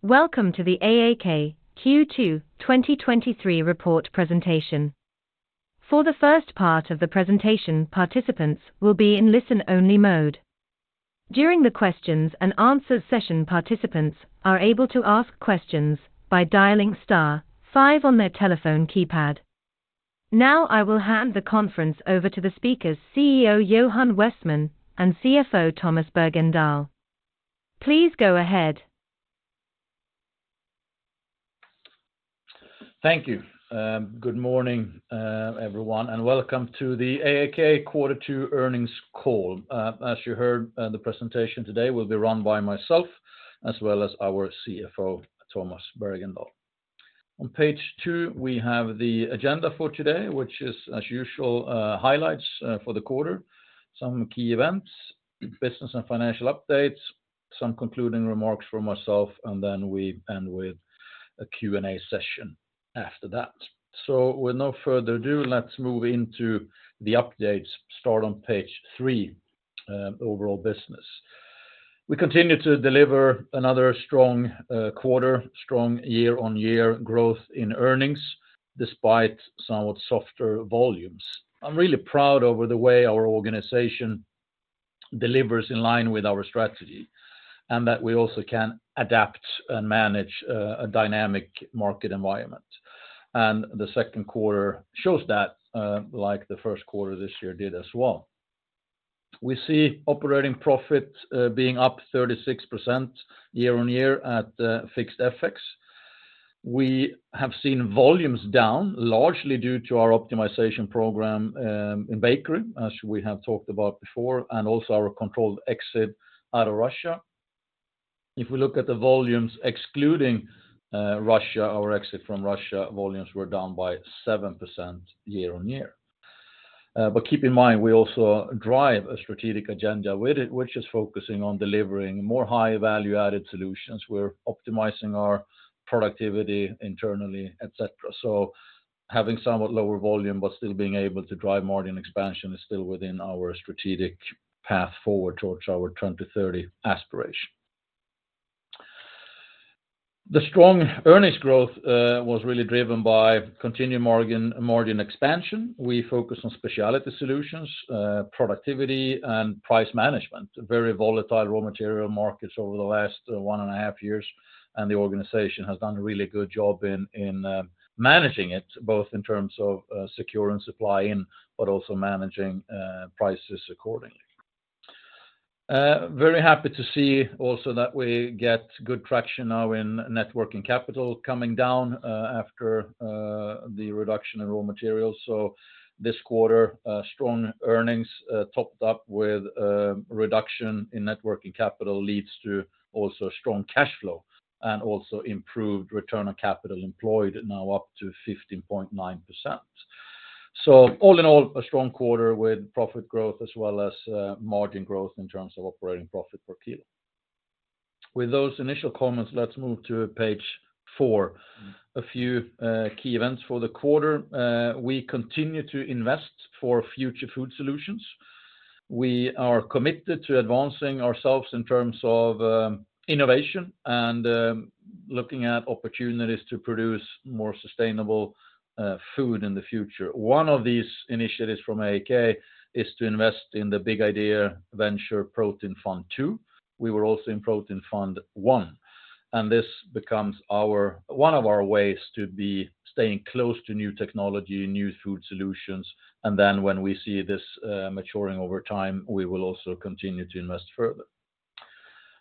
Welcome to the AAK Q2 2023 report presentation. For the first part of the presentation, participants will be in listen-only mode. During the questions and answers session, participants are able to ask questions by dialing star five on their telephone keypad. I will hand the conference over to the speakers, CEO Johan Westman and CFO Tomas Bergendahl. Please go ahead. Thank you. Good morning, everyone, and welcome to the AAK Quarter Two Earnings Call. As you heard, the presentation today will be run by myself, as well as our CFO, Tomas Bergendahl. On page two, we have the agenda for today, which is, as usual, highlights for the quarter, some key events, business and financial updates, some concluding remarks from myself, and then we end with a Q&A session after that. With no further ado, let's move into the updates. Start on page three, overall business. We continue to deliver another strong quarter, strong year-on-year growth in earnings, despite somewhat softer volumes. I'm really proud over the way our organization delivers in line with our strategy, and that we also can adapt and manage a dynamic market environment. The second quarter shows that, like the first quarter this year did as well. We see operating profit being up 36% year-on-year at fixed FX. We have seen volumes down, largely due to our optimization program in bakery, as we have talked about before, and also our controlled exit out of Russia. If we look at the volumes excluding Russia, our exit from Russia, volumes were down by 7% year-on-year. Keep in mind, we also drive a strategic agenda with it, which is focusing on delivering more high-value-added solutions. We're optimizing our productivity internally, et cetera. Having somewhat lower volume, but still being able to drive margin expansion is still within our strategic path forward towards our 2030 aspiration. The strong earnings growth was really driven by continued margin expansion. We focus on specialty solutions, productivity and price management, very volatile raw material markets over the last one and a half years. The organization has done a really good job in managing it, both in terms of secure and supply in, but also managing prices accordingly. Very happy to see also that we get good traction now in net working capital coming down, after the reduction in raw materials. This quarter, strong earnings, topped up with reduction in net working capital, leads to also strong cash flow and also improved return on capital employed, now up to 15.9%. All in all, a strong quarter with profit growth as well as margin growth in terms of operating profit per kilo. With those initial comments, let's move to page 4. A few key events for the quarter. We continue to invest for future food solutions. We are committed to advancing ourselves in terms of innovation and looking at opportunities to produce more sustainable food in the future. One of these initiatives from AAK is to invest in the Big Idea Ventures Protein Fund 2. We were also in Protein Fund 1, and this becomes one of our ways to be staying close to new technology, new food solutions, and then when we see this maturing over time, we will also continue to invest further.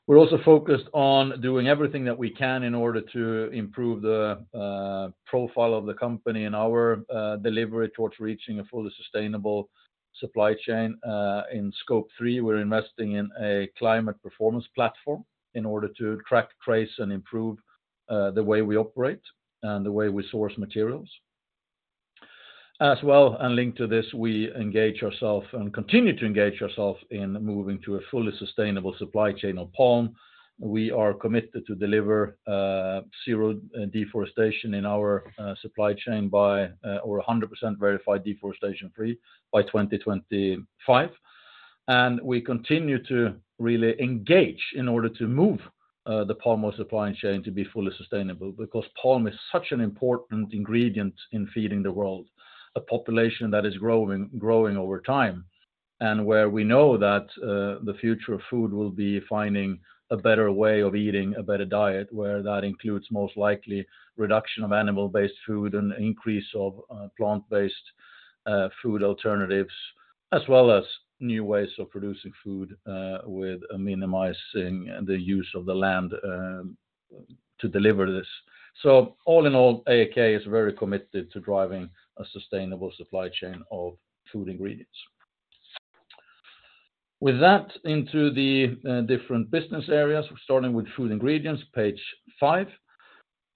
We're also focused on doing everything that we can in order to improve the profile of the company and our delivery towards reaching a fully sustainable supply chain. In Scope three, we're investing in a climate performance platform in order to track, trace, and improve the way we operate and the way we source materials. As well, linked to this, we engage ourself and continue to engage ourself in moving to a fully sustainable supply chain of palm. We are committed to deliver zero deforestation in our supply chain by or 100% verified deforestation-free by 2025. We continue to really engage in order to move the palm oil supply chain to be fully sustainable, because palm oil is such an important ingredient in feeding the world, a population that is growing over time, and where we know that the future of food will be finding a better way of eating a better diet, where that includes, most likely, reduction of animal-based food and increase of plant-based food alternatives, as well as new ways of producing food with minimizing the use of the land to deliver this. All in all, AAK is very committed to driving a sustainable supply chain of Food Ingredients. With that, into the different business areas, starting with Food Ingredients, page five.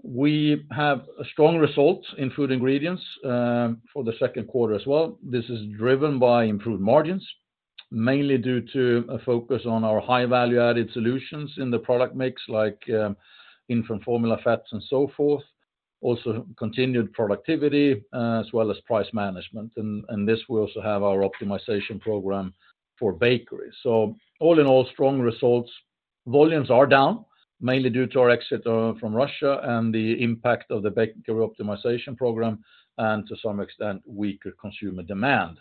We have a strong result in Food Ingredients for the second quarter as well. This is driven by improved margins, mainly due to a focus on our high-value-added solutions in the product mix, like infant formula fats and so forth. Continued productivity, as well as price management. We also have our optimization program for bakery. All in all, strong results. Volumes are down, mainly due to our exit from Russia and the impact of the bakery optimization program, and to some extent, weaker consumer demand.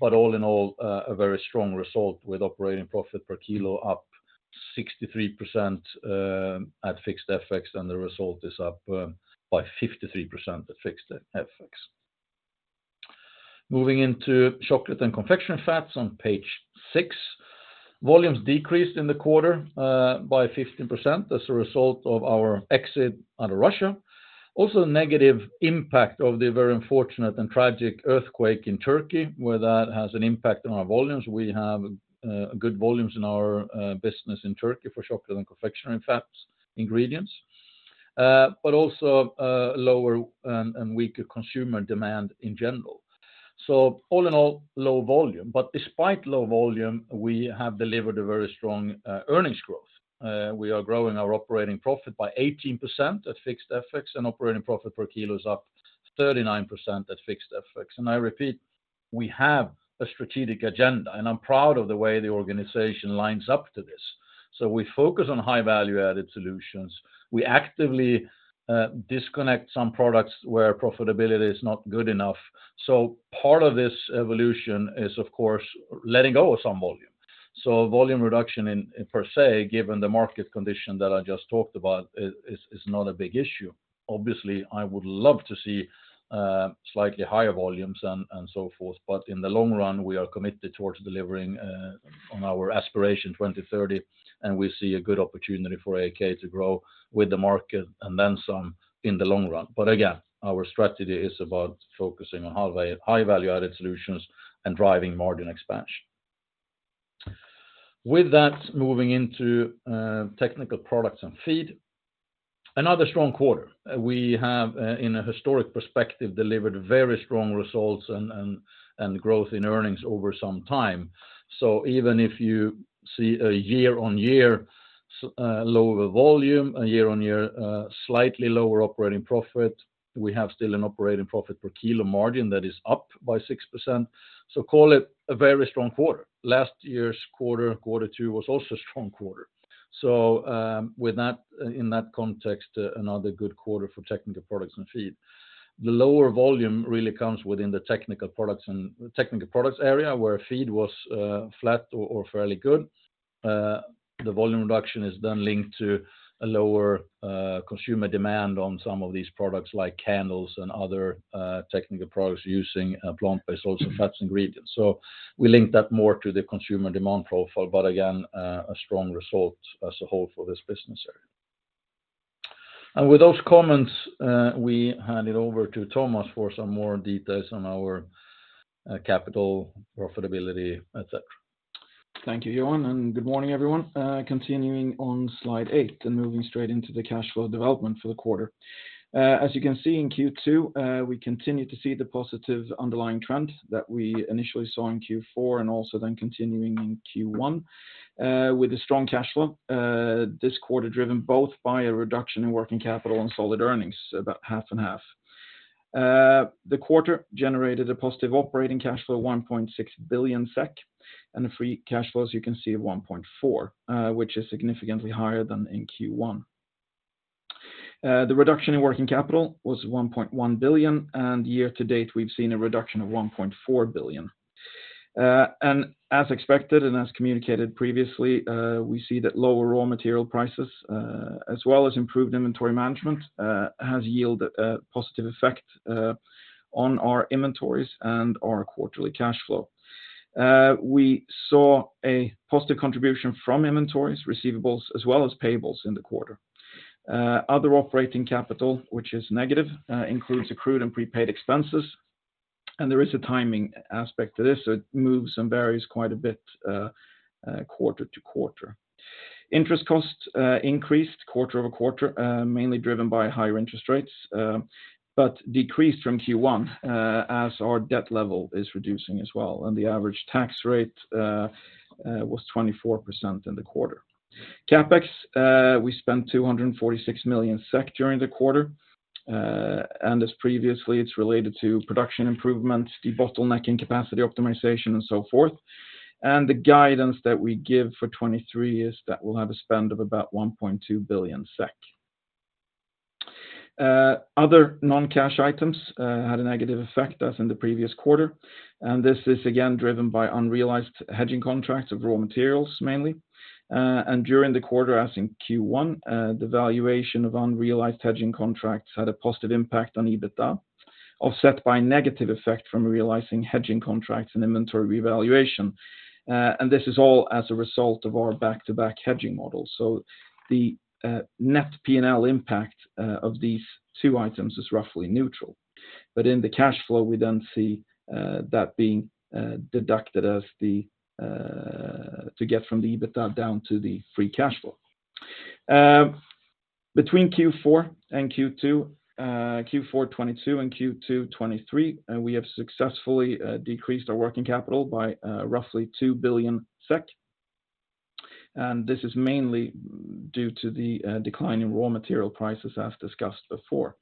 All in all, a very strong result with operating profit per kilo up 63% at fixed FX, and the result is up by 53% at fixed FX. Moving into Chocolate & Confectionery Fats on page six. Volumes decreased in the quarter by 15% as a result of our exit out of Russia. Negative impact of the very unfortunate and tragic earthquake in Turkey, where that has an impact on our volumes. We have good volumes in our business in Turkey for chocolate and confectionery fats ingredients, but also lower and weaker consumer demand in general. All in all, low volume. Despite low volume, we have delivered a very strong earnings growth. We are growing our operating profit by 18% at fixed FX, and operating profit per kilo is up 39% at fixed FX. I repeat, we have a strategic agenda, and I'm proud of the way the organization lines up to this. We focus on high value-added solutions. We actively disconnect some products where profitability is not good enough. Part of this evolution is, of course, letting go of some volume. Volume reduction in, per se, given the market condition that I just talked about, is not a big issue. Obviously, I would love to see slightly higher volumes and so forth. In the long run, we are committed towards delivering on our 2030 aspiration, and we see a good opportunity for AAK to grow with the market and then some in the long run. Again, our strategy is about focusing on high value-added solutions and driving margin expansion. Moving into Technical Products & Feed. Another strong quarter. We have in a historic perspective, delivered very strong results and growth in earnings over some time. Even if you see a year-on-year lower volume, a year-on-year slightly lower operating profit, we have still an operating profit per kilo margin that is up by 6%. Call it a very strong quarter. Last year's quarter two, was also a strong quarter. With that, in that context, another good quarter for Technical Products & Feed. The lower volume really comes within the Technical Products area, where feed was flat or fairly good. The volume reduction is then linked to a lower consumer demand on some of these products, like candles and other Technical Products using plant-based oils and fats ingredients. We link that more to the consumer demand profile, but again, a strong result as a whole for this business area. With those comments, we hand it over to Tomas for some more details on our capital profitability, et cetera. Thank you, Johan, and good morning, everyone. Continuing on Slide 8 and moving straight into the cash flow development for the quarter. As you can see in Q2, we continue to see the positive underlying trend that we initially saw in Q4 and also then continuing in Q1, with a strong cash flow. This quarter, driven both by a reduction in working capital and solid earnings, about half and half. The quarter generated a positive operating cash flow, 1.6 billion SEK, and a free cash flow, as you can see, 1.4 billion SEK, which is significantly higher than in Q1. The reduction in working capital was 1.1 billion SEK, and year to date, we've seen a reduction of 1.4 billion SEK. As expected and as communicated previously, we see that lower raw material prices, as well as improved inventory management, has yield a positive effect on our inventories and our quarterly cash flow. We saw a positive contribution from inventories, receivables, as well as payables in the quarter. Other operating capital, which is negative, includes accrued and prepaid expenses, and there is a timing aspect to this, so it moves and varies quite a bit quarter-to-quarter. Interest costs increased quarter-over-quarter, mainly driven by higher interest rates, but decreased from Q1, as our debt level is reducing as well, and the average tax rate was 24% in the quarter. CapEx, we spent 246 million SEK during the quarter, as previously, it's related to production improvements, debottlenecking, capacity optimization, and so forth. The guidance that we give for 2023 is that we'll have a spend of about 1.2 billion SEK. Other non-cash items had a negative effect, as in the previous quarter, this is again, driven by unrealized hedging contracts of raw materials, mainly. During the quarter, as in Q1, the valuation of unrealized hedging contracts had a positive impact on EBITDA, offset by a negative effect from realizing hedging contracts and inventory revaluation. This is all as a result of our back-to-back hedging model. The net P&L impact of these two items is roughly neutral. In the cash flow, we don't see that being deducted as the to get from the EBITDA down to the free cash flow. Between Q4 and Q2, Q4 2022 and Q2 2023, we have successfully decreased our working capital by roughly 2 billion SEK. This is mainly due to the decline in raw material prices, as discussed before.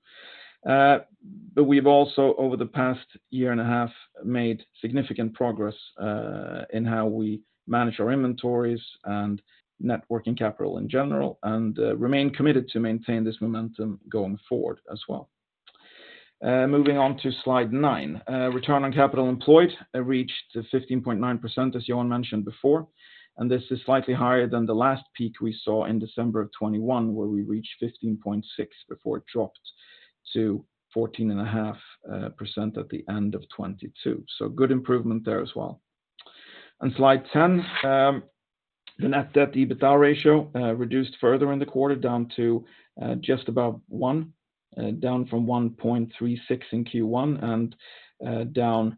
We've also, over the past year and a half, made significant progress in how we manage our inventories and net working capital in general, and remain committed to maintain this momentum going forward as well. Moving on to Slide nine. Return on capital employed reached to 15.9%, as Johan mentioned before. This is slightly higher than the last peak we saw in December 2021, where we reached 15.6 before it dropped to 14.5% at the end of 2022. Good improvement there as well. On Slide ten, the net debt EBITDA ratio reduced further in the quarter, down to just about 1, down from 1.36 in Q1, and down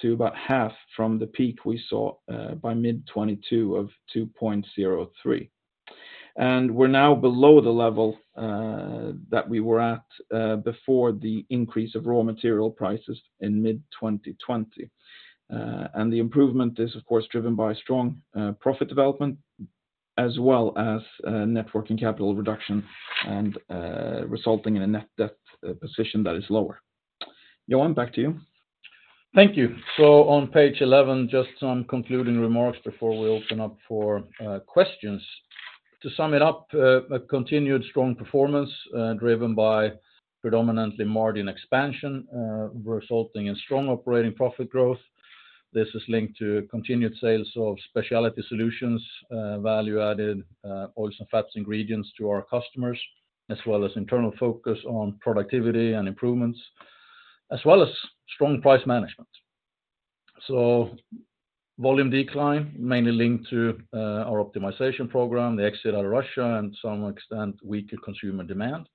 to about half from the peak we saw by mid-2022 of 2.03. We're now below the level that we were at before the increase of raw material prices in mid-2020. The improvement is, of course, driven by strong profit development, as well as net working capital reduction and resulting in a net debt position that is lower. Johan, back to you. Thank you. On page 11, just some concluding remarks before we open up for questions. To sum it up, a continued strong performance, driven by predominantly margin expansion, resulting in strong operating profit growth. This is linked to continued sales of specialty solutions, value-added, oils and fats ingredients to our customers, as well as internal focus on productivity and improvements, as well as strong price management. Volume decline, mainly linked to our optimization program, the exit out of Russia, and to some extent, weaker consumer demand.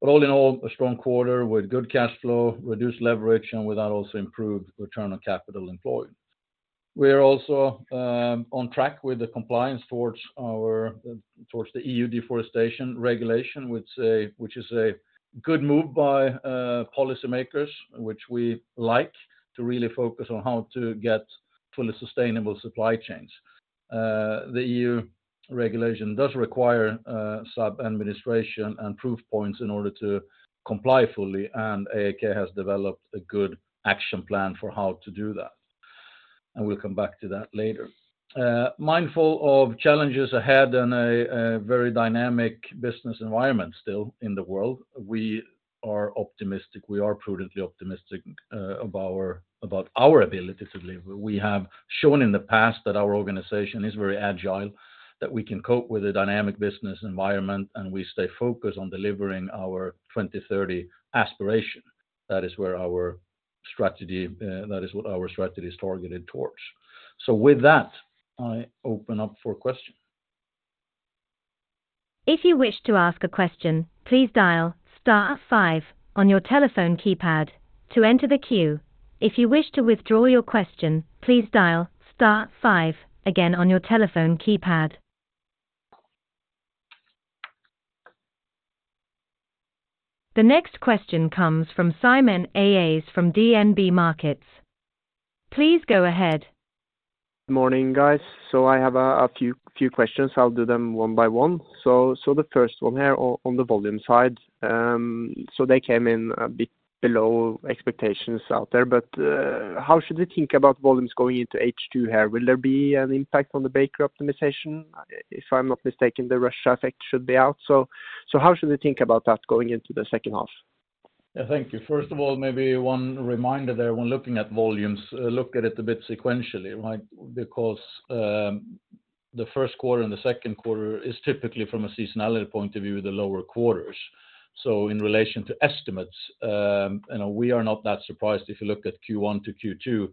All in all, a strong quarter with good cash flow, reduced leverage, and with that, also improved return on capital employed. We are also on track with the compliance towards our towards the EU Deforestation Regulation, which is a good move by policymakers, which we like to really focus on how to get fully sustainable supply chains. The EU regulation does require some administration and proof points in order to comply fully, and AAK has developed a good action plan for how to do that, and we'll come back to that later. Mindful of challenges ahead and a very dynamic business environment still in the world, we are optimistic. We are prudently optimistic about our ability to deliver. We have shown in the past that our organization is very agile, that we can cope with a dynamic business environment, and we stay focused on delivering our 2030 aspiration. That is what our strategy is targeted towards. With that, I open up for questions. If you wish to ask a question, please dial star five on your telephone keypad to enter the queue. If you wish to withdraw your question, please dial star five again on your telephone keypad. The next question comes from Simen Aas from DNB Markets. Please go ahead. Morning, guys. I have a few questions. I'll do them one by one. The first one here on the volume side, they came in a bit below expectations out there, but how should we think about volumes going into H2 here? Will there be an impact on the bakery optimization? If I'm not mistaken, the Russia effect should be out, so how should we think about that going into the second half? Yeah, thank you. First of all, maybe one reminder there, when looking at volumes, look at it a bit sequentially, right? Because the first quarter and the second quarter is typically, from a seasonality point of view, the lower quarters. So in relation to estimates, you know, we are not that surprised if you look at Q1 to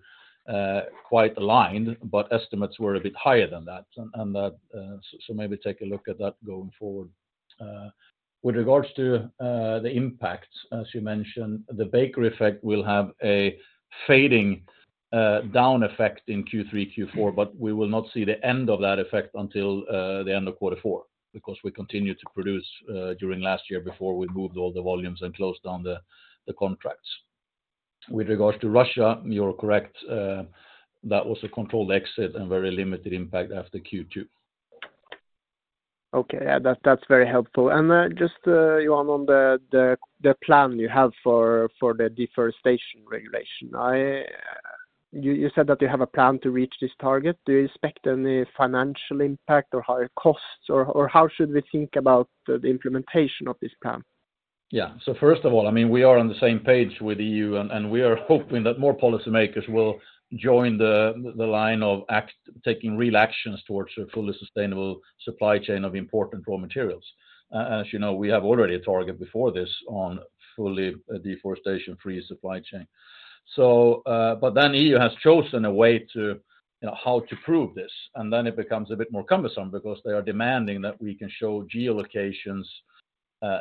Q2, quite aligned, but estimates were a bit higher than that. That. Maybe take a look at that going forward. With regards to the impact, as you mentioned, the bakery effect will have a fading down effect in Q3, Q4, but we will not see the end of that effect until the end of quarter four, because we continued to produce during last year before we moved all the volumes and closed down the contracts. With regards to Russia, you're correct. That was a controlled exit and very limited impact after Q2. Okay, yeah, that's very helpful. Just, Johan, on the plan you have for the deforestation regulation. You said that you have a plan to reach this target. Do you expect any financial impact or higher costs, or how should we think about the implementation of this plan? Yeah. First of all, I mean, we are on the same page with EU, and we are hoping that more policymakers will join the line of taking real actions towards a fully sustainable supply chain of important raw materials. As you know, we have already a target before this on fully deforestation-free supply chain. EU has chosen a way to, you know, how to prove this, and then it becomes a bit more cumbersome because they are demanding that we can show geolocations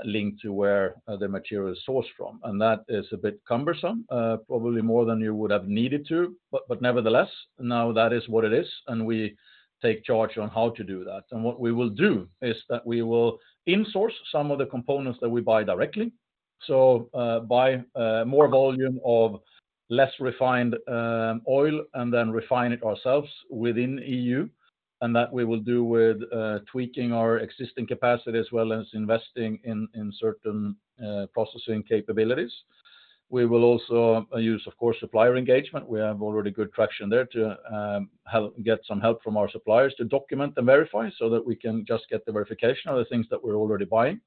linked to where the material is sourced from, and that is a bit cumbersome, probably more than you would have needed to. Nevertheless, now that is what it is, and we take charge on how to do that. What we will do is that we will in-source some of the components that we buy directly. By more volume of less refined oil and then refine it ourselves within EU, and that we will do with tweaking our existing capacity as well as investing in certain processing capabilities. We will also use, of course, supplier engagement. We have already good traction there to get some help from our suppliers to document and verify, so that we can just get the verification of the things that we're already buying.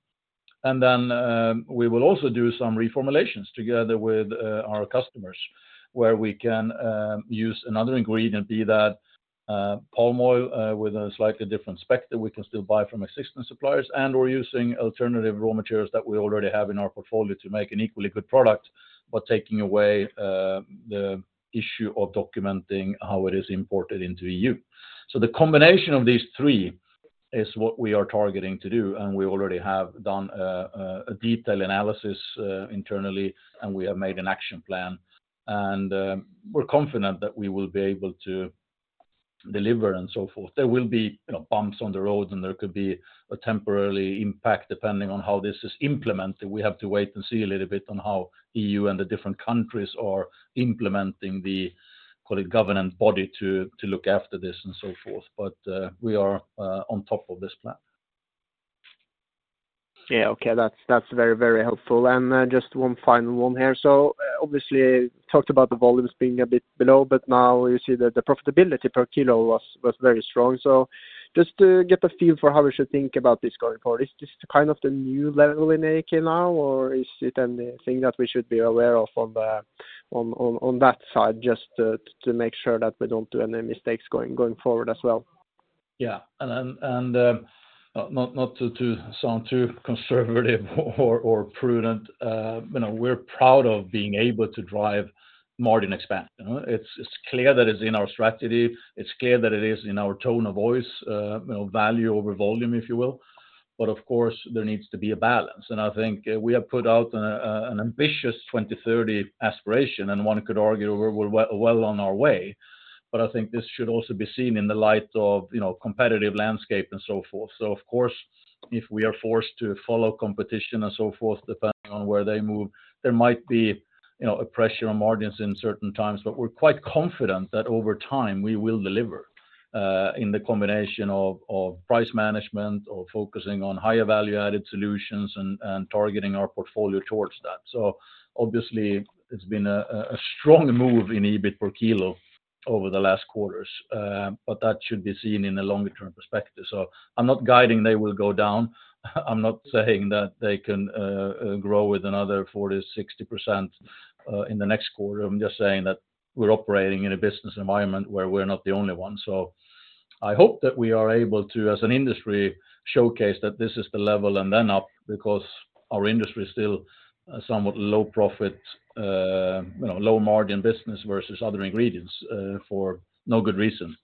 We will also do some reformulations together with our customers, where we can use another ingredient, be that palm oil, with a slightly different spec that we can still buy from existing suppliers, and we're using alternative raw materials that we already have in our portfolio to make an equally good product, but taking away the issue of documenting how it is imported into EU. The combination of these three is what we are targeting to do, and we already have done a detailed analysis internally, and we have made an action plan. We're confident that we will be able to deliver and so forth. There will be, you know, bumps on the road, and there could be a temporarily impact depending on how this is implemented. We have to wait and see a little bit on how EU and the different countries are implementing the, call it, governance body, to look after this and so forth. We are on top of this plan. Yeah, okay, that's very, very helpful. Just one final one here. Obviously, talked about the volumes being a bit below, but now you see that the profitability per kilo was very strong. Just to get a feel for how we should think about this going forward, is this the kind of the new level in AAK now, or is it anything that we should be aware of on that side, just to make sure that we don't do any mistakes going forward as well? Yeah, not to sound too conservative or prudent, you know, we're proud of being able to drive margin expansion. You know, it's clear that it's in our strategy, it's clear that it is in our tone of voice, you know, value over volume, if you will. Of course, there needs to be a balance, and I think we have put out an ambitious 2030 aspiration, and one could argue we're well on our way. I think this should also be seen in the light of, you know, competitive landscape and so forth. Of course, if we are forced to follow competition and so forth, depending on where they move, there might be, you know, a pressure on margins in certain times. We're quite confident that over time, we will deliver in the combination of price management, of focusing on higher value-added solutions, and targeting our portfolio towards that. Obviously, it's been a strong move in EBIT per kilo over the last quarters, but that should be seen in a longer term perspective. I'm not guiding they will go down. I'm not saying that they can grow with another 40%-60% in the next quarter. I'm just saying that we're operating in a business environment where we're not the only one. I hope that we are able to, as an industry, showcase that this is the level and then up, because our industry is still a somewhat low profit, you know, low margin business versus other ingredients, for no good reason.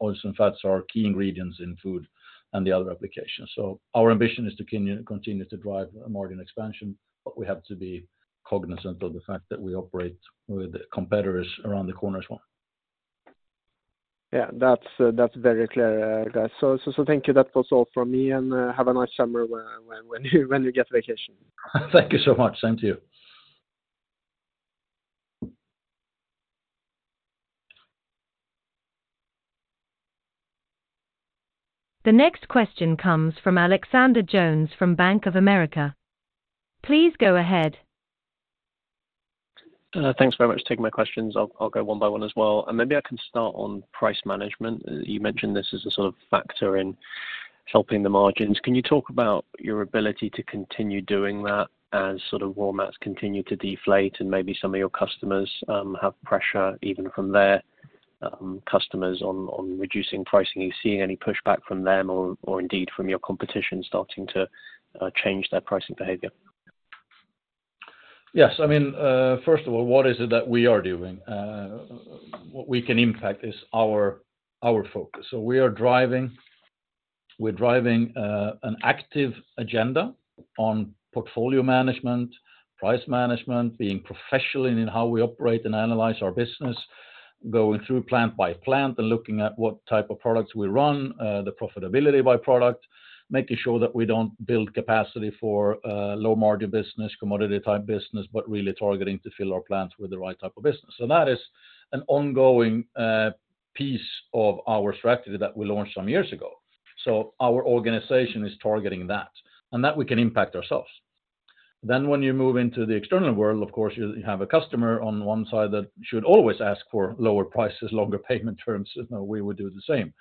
Oils and fats are key ingredients in food and the other applications. Our ambition is to continue to drive margin expansion, but we have to be cognizant of the fact that we operate with competitors around the corner as well. Yeah, that's very clear, guys. Thank you. Have a nice summer when you get vacation. Thank you so much. Same to you. The next question comes from Alexander Jones from Bank of America. Please go ahead. Thanks very much for taking my questions. I'll go one by one as well. Maybe I can start on price management. You mentioned this as a sort of factor in helping the margins. Can you talk about your ability to continue doing that as sort of raw mats continue to deflate, and maybe some of your customers have pressure, even from their customers on reducing pricing? Are you seeing any pushback from them or indeed from your competition starting to change their pricing behavior? Yes, I mean, first of all, what is it that we are doing? What we can impact is our focus. We're driving an active agenda on portfolio management, price management, being professional in how we operate and analyze our business. Going through plant by plant and looking at what type of products we run, the profitability by product, making sure that we don't build capacity for low margin business, commodity type business, but really targeting to fill our plants with the right type of business. That is an ongoing piece of our strategy that we launched some years ago. Our organization is targeting that, and that we can impact ourselves. When you move into the external world, of course, you have a customer on one side that should always ask for lower prices, longer payment terms, you know, we would do the same.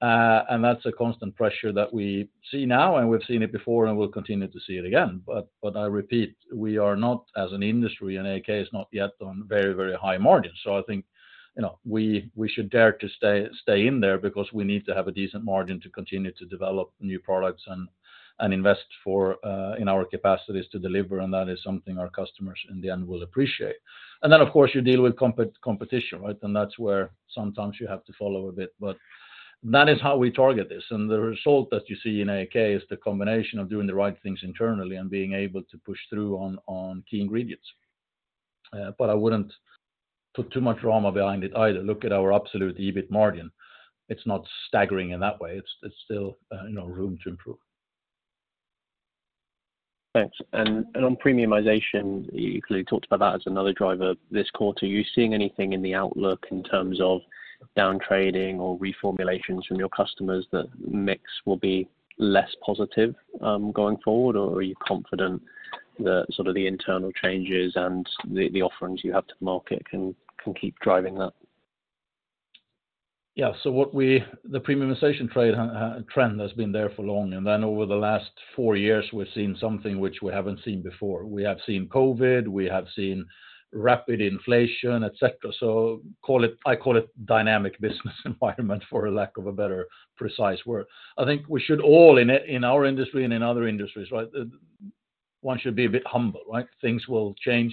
That's a constant pressure that we see now, and we've seen it before, and we'll continue to see it again. I repeat, we are not, as an industry, and AAK is not yet on very, very high margins. I think, you know, we should dare to stay in there because we need to have a decent margin to continue to develop new products and invest for in our capacities to deliver, and that is something our customers, in the end, will appreciate. Of course, you deal with competition, right? That's where sometimes you have to follow a bit, but that is how we target this. The result that you see in AAK is the combination of doing the right things internally and being able to push through on key ingredients. I wouldn't put too much drama behind it either. Look at our absolute EBIT margin. It's not staggering in that way. It's still, you know, room to improve. Thanks. On premiumization, you clearly talked about that as another driver this quarter. Are you seeing anything in the outlook in terms of down trading or reformulations from your customers that mix will be less positive, going forward? Or are you confident that sort of the internal changes and the offerings you have to the market can keep driving that? Yeah. The premiumization trade trend has been there for long, and then over the last four years, we've seen something which we haven't seen before. We have seen COVID, we have seen rapid inflation, et cetera. I call it dynamic business environment, for lack of a better precise word. I think we should all, in our industry and in other industries, right, one should be a bit humble, right? Things will change.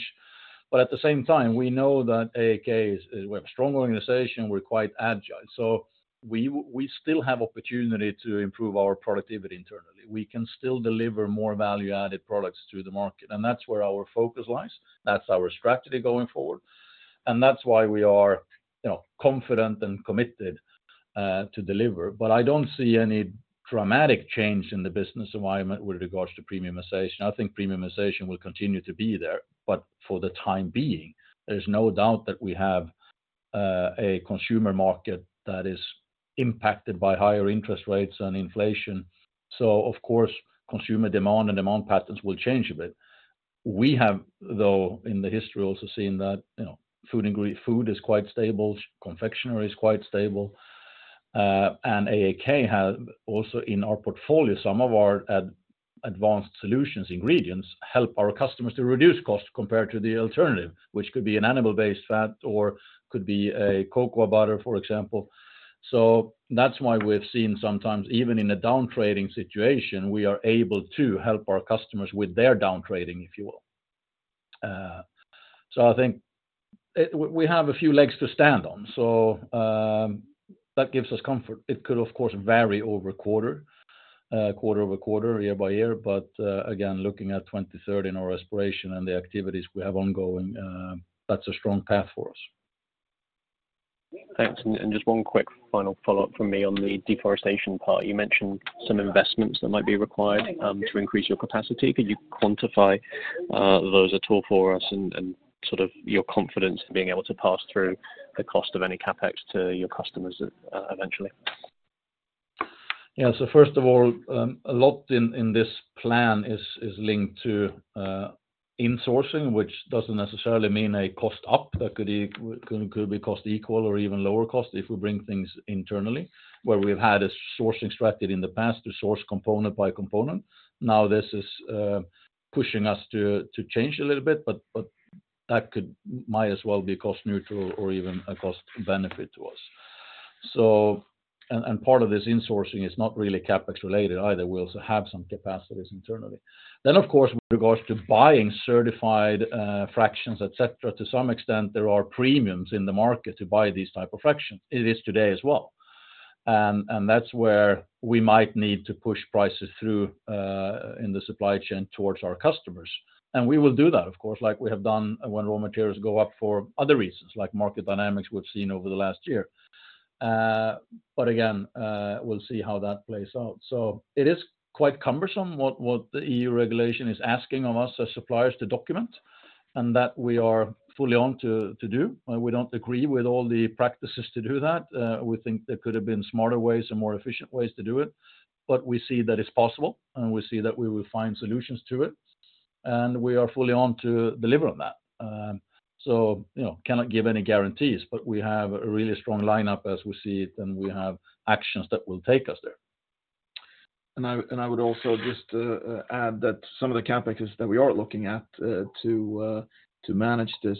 At the same time, we know that AAK is we're a strong organization, we're quite agile. We still have opportunity to improve our productivity internally. We can still deliver more value-added products to the market, and that's where our focus lies. That's our strategy going forward, and that's why we are, you know, confident and committed to deliver. I don't see any dramatic change in the business environment with regards to premiumization. I think premiumization will continue to be there, but for the time being, there's no doubt that we have a consumer market that is impacted by higher interest rates and inflation. Of course, consumer demand and demand patterns will change a bit. We have, though, in the history, also seen that, you know, food is quite stable, confectionery is quite stable, and AAK have also, in our portfolio, some of our advanced solutions ingredients help our customers to reduce costs compared to the alternative, which could be an animal-based fat or could be a cocoa butter, for example. That's why we've seen sometimes, even in a downtrading situation, we are able to help our customers with their downtrading, if you will. I think it. We have a few legs to stand on, so that gives us comfort. It could, of course, vary over a quarter-over-quarter, year-by-year, but again, looking at 2030 in our aspiration and the activities we have ongoing, that's a strong path for us. Thanks. Just one quick final follow-up from me on the deforestation part. You mentioned some investments that might be required to increase your capacity. Could you quantify those at all for us and sort of your confidence in being able to pass through the cost of any CapEx to your customers eventually? First of all, a lot in this plan is linked to insourcing, which doesn't necessarily mean a cost up. That could be cost equal or even lower cost if we bring things internally, where we've had a source extracted in the past to source component by component. This is pushing us to change a little bit, but that could might as well be cost neutral or even a cost benefit to us. And part of this insourcing is not really CapEx related either. We also have some capacities internally. Of course, with regards to buying certified fractions, et cetera, to some extent, there are premiums in the market to buy these type of fractions. It is today as well. That's where we might need to push prices through in the supply chain towards our customers. We will do that, of course, like we have done when raw materials go up for other reasons, like market dynamics we've seen over the last year. Again, we'll see how that plays out. It is quite cumbersome what the EU regulation is asking of us as suppliers to document, and that we are fully on to do. We don't agree with all the practices to do that. We think there could have been smarter ways and more efficient ways to do it, but we see that it's possible, and we see that we will find solutions to it, and we are fully on to deliver on that. You know, cannot give any guarantees, but we have a really strong lineup as we see it, and we have actions that will take us there. I would also just add that some of the CapExes that we are looking at to manage this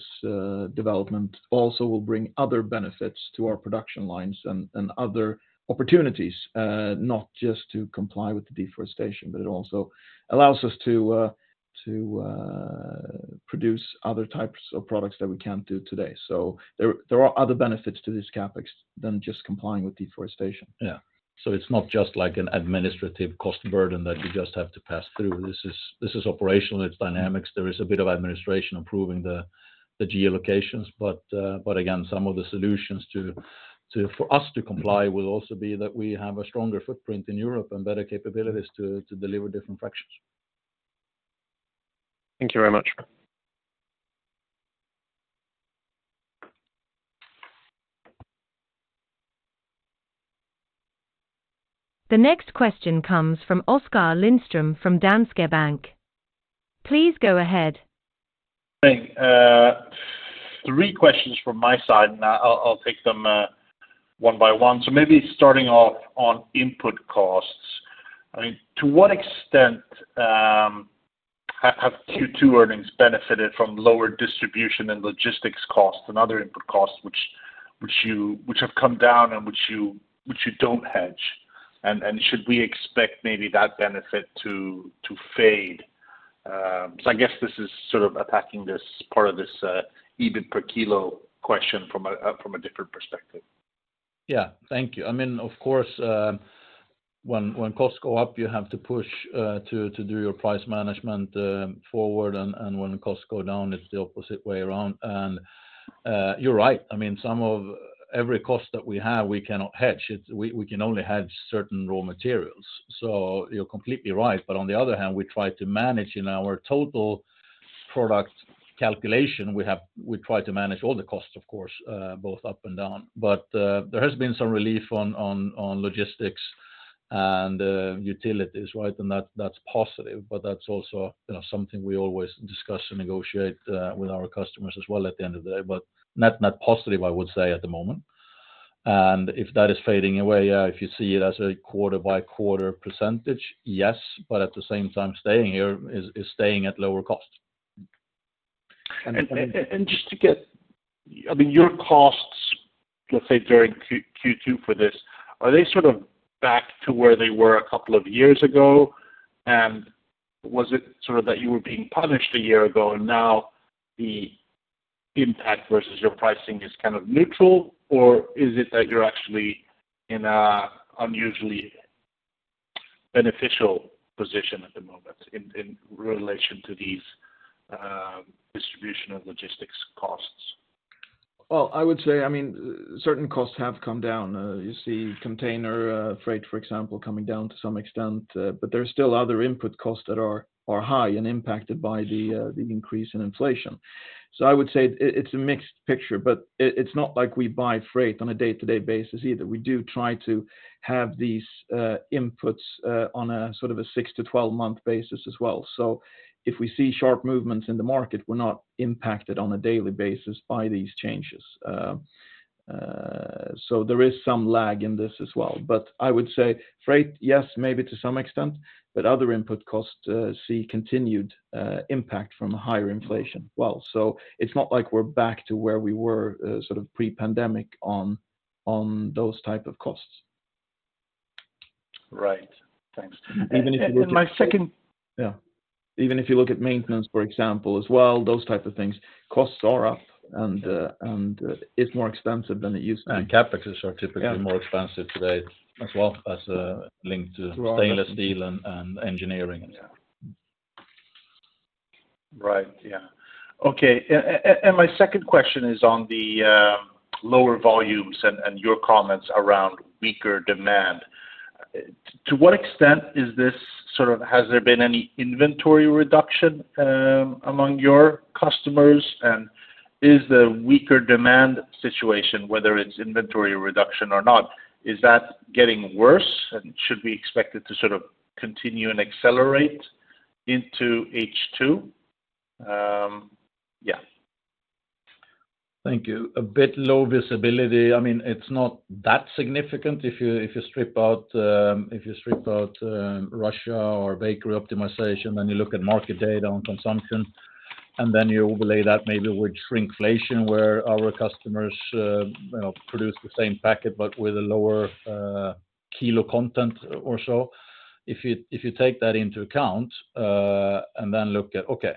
development also will bring other benefits to our production lines and other opportunities, not just to comply with the deforestation, but it also allows us to produce other types of products that we can't do today. There are other benefits to this CapEx than just complying with deforestation. Yeah. It's not just like an administrative cost burden that you just have to pass through. This is operational, it's dynamics. There is a bit of administration approving the geolocations, but again, some of the solutions for us to comply will also be that we have a stronger footprint in Europe and better capabilities to deliver different fractions. Thank you very much. The next question comes from Oskar Lindström, from Danske Bank. Please go ahead. Thanks. Three questions from my side, and I'll take them one by one. Maybe starting off on input costs. I mean, to what extent have Q2 earnings benefited from lower distribution and logistics costs and other input costs which you have come down and which you don't hedge? Should we expect maybe that benefit to fade? I guess this is sort of attacking this part of this EBIT per kilo question from a different perspective.... Yeah, thank you. I mean, of course, when costs go up, you have to push to do your price management forward, and when the costs go down, it's the opposite way around. You're right. I mean, some of every cost that we have, we cannot hedge. We can only hedge certain raw materials. So you're completely right. On the other hand, we try to manage in our total product calculation, we try to manage all the costs, of course, both up and down. There has been some relief on logistics and utilities, right? That's positive, but that's also, you know, something we always discuss and negotiate with our customers as well at the end of the day. Net, net positive, I would say, at the moment. If that is fading away, if you see it as a quarter by quarter %, yes, but at the same time, staying here is staying at lower costs. I mean, your costs, let's say, during Q2 for this, are they sort of back to where they were a couple of years ago? Was it sort of that you were being punished a year ago, and now the impact versus your pricing is kind of neutral? Or is it that you're actually in a unusually beneficial position at the moment in relation to these distribution and logistics costs? I would say, I mean, certain costs have come down. You see container freight, for example, coming down to some extent, but there are still other input costs that are high and impacted by the increase in inflation. I would say it's a mixed picture, but it's not like we buy freight on a day-to-day basis either. We do try to have these inputs on a sort of a six to 12-month basis as well. If we see sharp movements in the market, we're not impacted on a daily basis by these changes. There is some lag in this as well. I would say freight, yes, maybe to some extent, but other input costs see continued impact from a higher inflation well. It's not like we're back to where we were, sort of pre-pandemic on those type of costs. Right. Thanks. Even if you look-. Yeah. Even if you look at maintenance, for example, as well, those type of things, costs are up, and it's more expensive than it used to be. CapExes are typically. Yeah... more expensive today as well as. Right stainless steel and engineering. Yeah. Right. Yeah. Okay, my second question is on the lower volumes and your comments around weaker demand. To what extent has there been any inventory reduction among your customers? Is the weaker demand situation, whether it's inventory reduction or not, is that getting worse, and should we expect it to sort of continue and accelerate into H2? Yeah. Thank you. A bit low visibility. I mean, it's not that significant if you, if you strip out, if you strip out, Russia or bakery optimization, then you look at market data on consumption, and then you overlay that maybe with shrinkflation, where our customers, you know, produce the same packet, but with a lower, kilo content or so. If you, if you take that into account, and then look at, okay,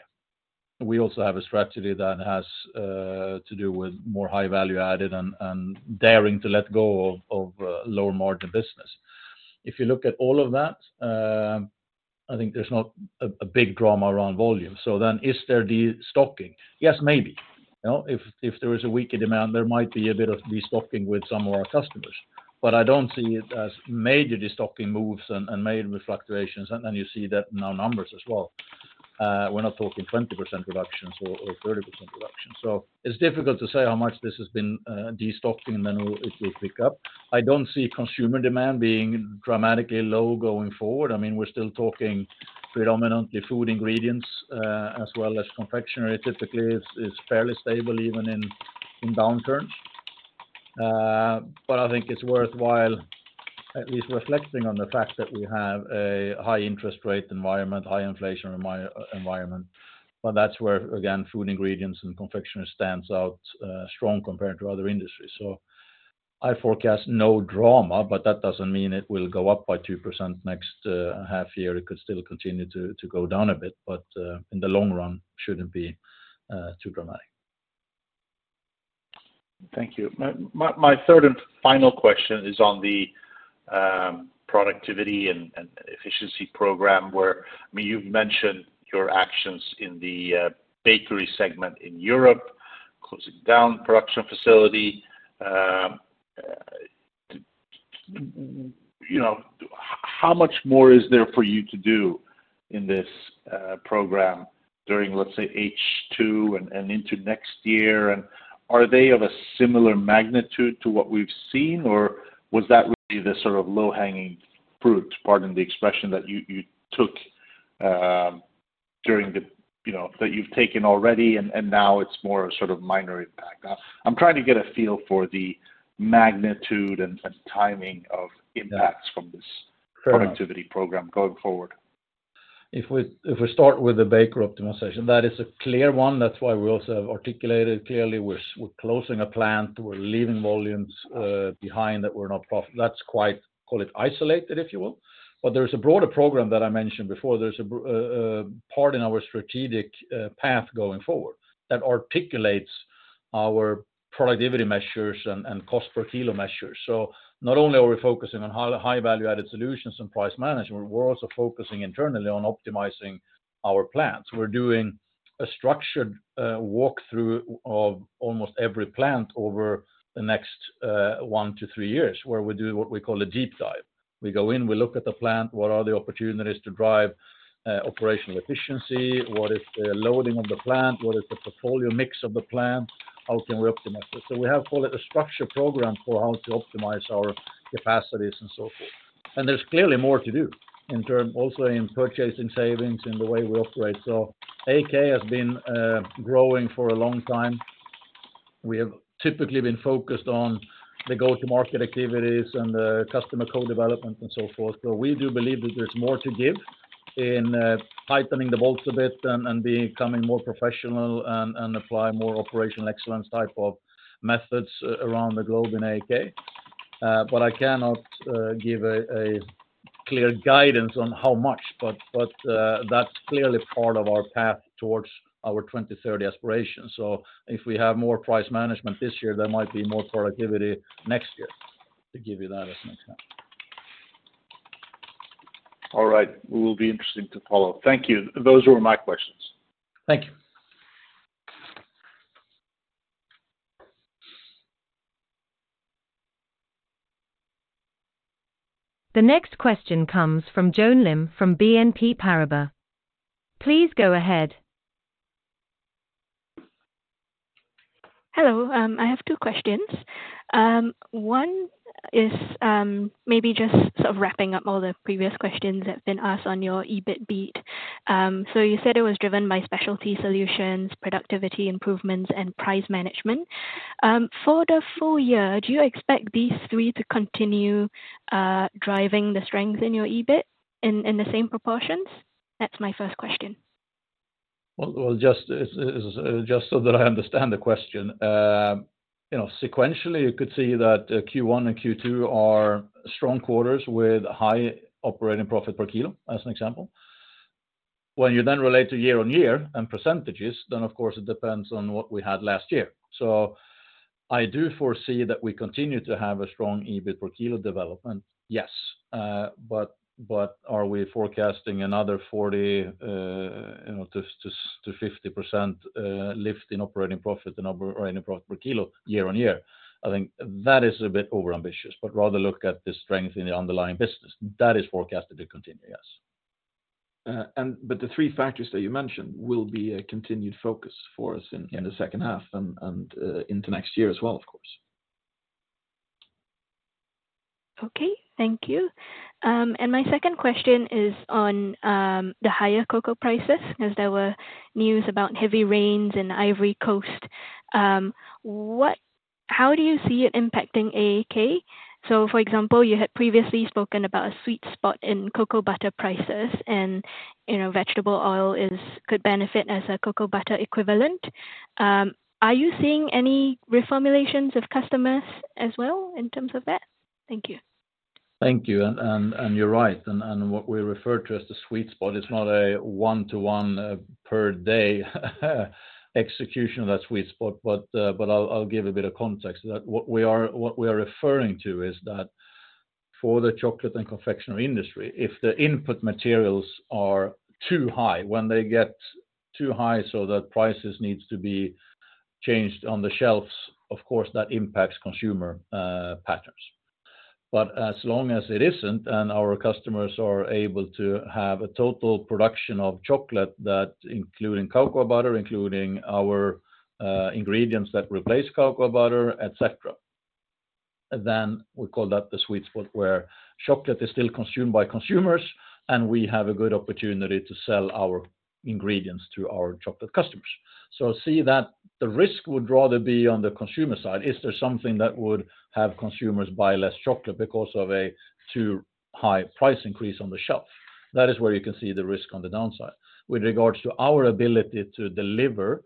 we also have a strategy that has to do with more high value added and daring to let go of lower margin business. If you look at all of that, I think there's not a big drama around volume. Is there destocking? Yes, maybe. You know, if there is a weaker demand, there might be a bit of destocking with some of our customers. I don't see it as major destocking moves and major fluctuations, and then you see that in our numbers as well. We're not talking 20% reductions or 30% reductions. It's difficult to say how much this has been destocking, and then it will pick up. I don't see consumer demand being dramatically low going forward. I mean, we're still talking predominantly Food Ingredients, as well as Confectionery, typically is fairly stable even in downturns. I think it's worthwhile at least reflecting on the fact that we have a high interest rate environment, high inflation environment. That's where, again, Food Ingredients and Confectionery stands out strong compared to other industries. I forecast no drama, but that doesn't mean it will go up by 2% next half year. It could still continue to go down a bit, but in the long run, shouldn't be too dramatic. Thank you. My third and final question is on the productivity and efficiency program, where, I mean, you've mentioned your actions in the bakery segment in Europe, closing down production facility, you know, how much more is there for you to do in this program during, let's say, H2 and into next year? Are they of a similar magnitude to what we've seen, or was that really the sort of low-hanging fruit, pardon the expression, that you took? You know, that you've taken already, and now it's more a sort of minor impact? I'm trying to get a feel for the magnitude and timing of impacts from this. Sure... productivity program going forward. If we start with the bakery optimization, that is a clear one. That's why we also have articulated clearly, we're closing a plant, we're leaving volumes behind that we're not profit. That's quite, call it, isolated, if you will. There's a broader program that I mentioned before. There's a part in our strategic path going forward that articulates our productivity measures and cost per kilo measures. Not only are we focusing on high value-added solutions and price management, we're also focusing internally on optimizing our plants. We're doing a structured walkthrough of almost every plant over the next one to three years, where we do what we call a deep dive. We go in, we look at the plant, what are the opportunities to drive operational efficiency? What is the loading of the plant? What is the portfolio mix of the plant? How can we optimize it? We have called it a structured program for how to optimize our capacities and so forth. There's clearly more to do in term, also in purchasing savings, in the way we operate. AAK has been growing for a long time. We have typically been focused on the go-to-market activities and the customer co-development and so forth. We do believe that there's more to give in tightening the bolts a bit and becoming more professional and apply more operational excellence type of methods around the globe in AAK. But I cannot give a clear guidance on how much, but that's clearly part of our path towards our 2030 aspiration. If we have more price management this year, there might be more productivity next year, to give you that as an example. All right. We will be interesting to follow up. Thank you. Those were my questions. Thank you. The next question comes from Joan Lim from BNP Paribas. Please go ahead. Hello, I have two questions. One is, maybe just sort of wrapping up all the previous questions that have been asked on your EBIT beat. You said it was driven by specialty solutions, productivity improvements, and price management. For the full year, do you expect these three to continue, driving the strength in your EBIT in the same proportions? That's my first question. Just so that I understand the question. You know, sequentially, you could see that Q1 and Q2 are strong quarters with high operating profit per kilo, as an example. You relate to year-on-year and percentages, of course, it depends on what we had last year. I do foresee that we continue to have a strong EBIT per kilo development, yes. But are we forecasting another 40, you know, to 50% lift in operating profit and operating profit per kilo year-on-year? I think that is a bit overambitious, but rather look at the strength in the underlying business. That is forecasted to continue, yes. The three factors that you mentioned will be a continued focus for us. Yes... in the second half and into next year as well, of course. Okay, thank you. My second question is on the higher cocoa prices, because there were news about heavy rains in Ivory Coast. How do you see it impacting AAK? For example, you had previously spoken about a sweet spot in cocoa butter prices, and, you know, vegetable oil is, could benefit as a cocoa butter equivalent. Are you seeing any reformulations of customers as well in terms of that? Thank you. Thank you. you're right. What we refer to as the sweet spot, it's not a one-to-one per day execution of that sweet spot, but I'll give a bit of context to that. What we are referring to is that for the chocolate and confectionery industry, if the input materials are too high, when they get too high, so that prices needs to be changed on the shelves, of course, that impacts consumer patterns. As long as it isn't, and our customers are able to have a total production of chocolate that including cocoa butter, including our ingredients that replace cocoa butter, et cetera, then we call that the sweet spot, where chocolate is still consumed by consumers, and we have a good opportunity to sell our ingredients to our chocolate customers. See that the risk would rather be on the consumer side. Is there something that would have consumers buy less chocolate because of a too high price increase on the shelf? That is where you can see the risk on the downside. With regards to our ability to deliver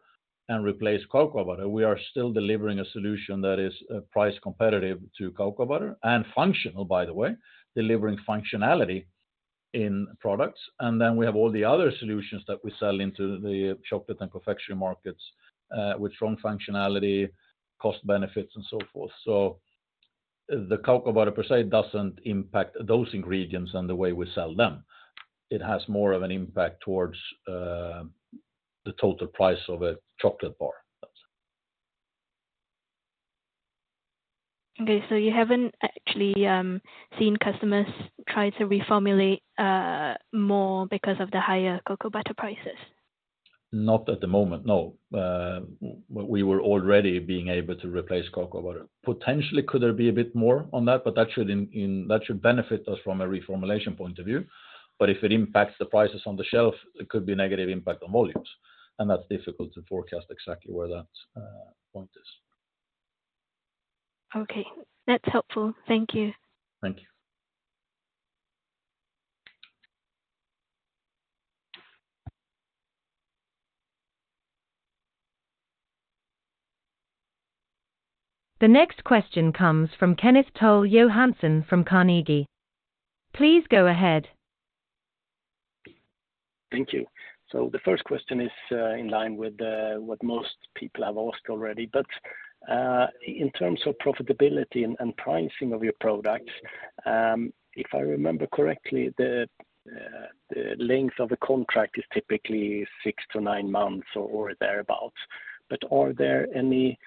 and replace cocoa butter, we are still delivering a solution that is price competitive to cocoa butter and functional, by the way, delivering functionality in products. Then we have all the other solutions that we sell into the chocolate and confectionery markets with strong functionality, cost benefits, and so forth. The cocoa butter per se doesn't impact those ingredients and the way we sell them. It has more of an impact towards the total price of a chocolate bar. You haven't actually seen customers try to reformulate more because of the higher cocoa butter prices? Not at the moment, no. We were already being able to replace cocoa butter. Potentially, could there be a bit more on that? That should benefit us from a reformulation point of view. If it impacts the prices on the shelf, it could be a negative impact on volumes, and that's difficult to forecast exactly where that point is. Okay, that's helpful. Thank you. Thank you. The next question comes from Kenneth Toll Johansson from Carnegie. Please go ahead. Thank you. The first question is in line with what most people have asked already, but in terms of profitability and pricing of your products, if I remember correctly, the length of the contract is typically six to nine months or thereabout. Are there any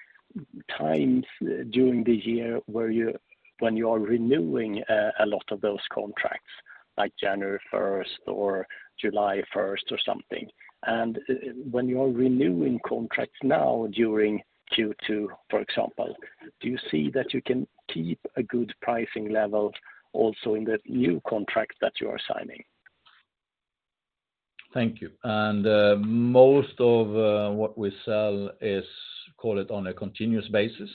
times during the year when you are renewing a lot of those contracts, like January 1st or July 1st or something? When you are renewing contracts now during Q2, for example, do you see that you can keep a good pricing level also in the new contract that you are signing? Thank you. Most of what we sell is, call it, on a continuous basis.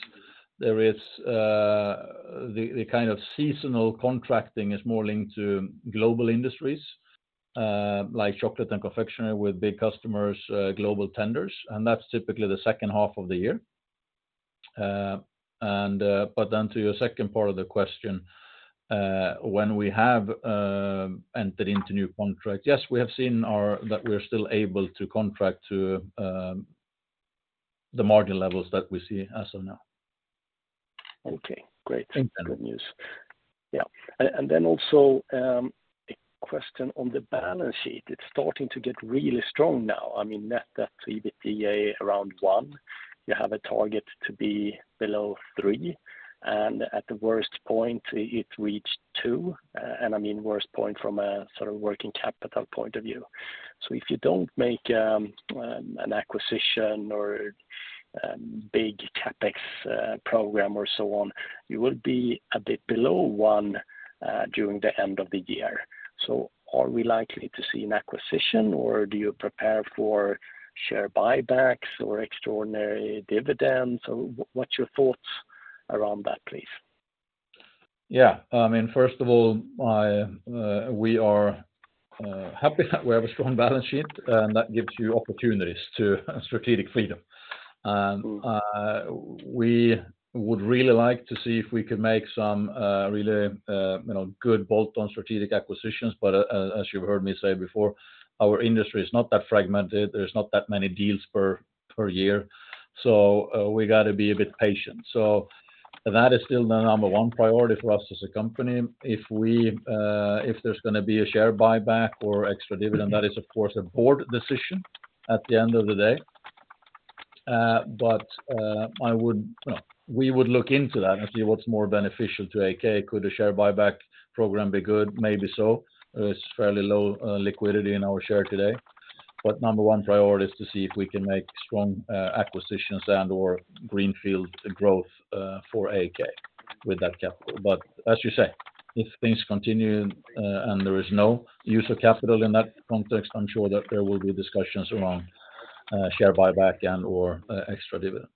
There is the kind of seasonal contracting is more linked to global industries, like chocolate and confectioner, with big customers, global tenders, and that's typically the second half of the year. To your second part of the question, when we have entered into new contract, yes, we have seen that we are still able to contract to the margin levels that we see as of now. Okay, great. Thank you for the news. A question on the balance sheet. It's starting to get really strong now. I mean, net debt to EBITDA around one, you have a target to be below three. At the worst point, it reached two, I mean, worst point from a sort of working capital point of view. If you don't make an acquisition or big CapEx program or so on, you will be a bit below one during the end of the year. Are we likely to see an acquisition, or do you prepare for share buybacks or extraordinary dividends? What's your thoughts around that, please? Yeah. I mean, first of all, I, we are happy that we have a strong balance sheet, that gives you opportunities to strategic freedom. We would really like to see if we could make some really, you know, good bolt-on strategic acquisitions, as you've heard me say before, our industry is not that fragmented. There's not that many deals per year, we got to be a bit patient. That is still the number one priority for us as a company. If we, if there's gonna be a share buyback or extra dividend, that is, of course, a board decision at the end of the day. Well, we would look into that and see what's more beneficial to AAK. Could a share buyback program be good? Maybe so. There's fairly low liquidity in our share today. Number one priority is to see if we can make strong acquisitions and/or greenfield growth for AAK with that capital. As you say, if things continue, and there is no use of capital in that context, I'm sure that there will be discussions around share buyback and/or extra dividend.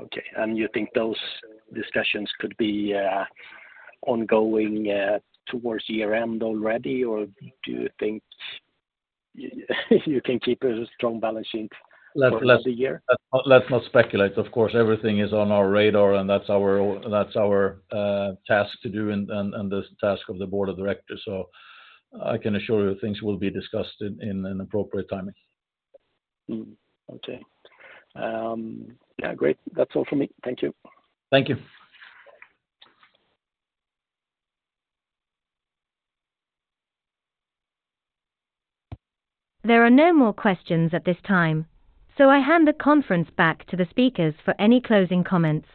Okay, you think those discussions could be ongoing towards year-end already, or do you think, you can keep a strong balance sheet for another year? Let's not speculate. Of course, everything is on our radar, that's our task to do and the task of the board of directors. I can assure you things will be discussed in an appropriate timing. Okay. Great. That's all for me. Thank you. Thank you. There are no more questions at this time, so I hand the conference back to the speakers for any closing comments.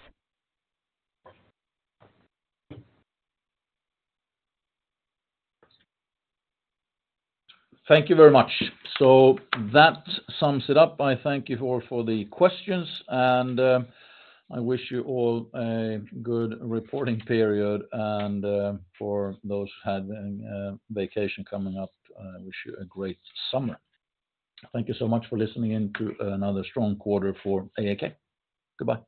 Thank you very much. That sums it up. I thank you all for the questions, and I wish you all a good reporting period, and for those having a vacation coming up, I wish you a great summer. Thank you so much for listening in to another strong quarter for AAK. Goodbye.